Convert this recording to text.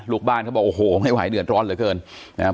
ลูกบ้านเขาบอกโอ้โหไม่ไหวเดือดร้อนเหลือเกินนะครับ